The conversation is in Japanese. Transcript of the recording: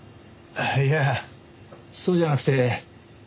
いやそうじゃなくて。